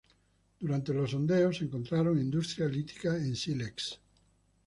Durante los sondeos se encontraron industria lítica en sílex.